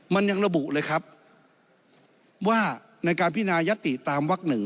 มันยังระบุเลยครับว่าในการพินายติตามวัก๑